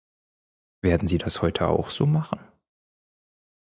Werden Sie das heute auch so machen?